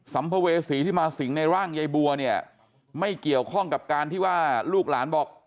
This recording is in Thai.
ัมภเวษีที่มาสิงในร่างยายบัวเนี่ยไม่เกี่ยวข้องกับการที่ว่าลูกหลานบอก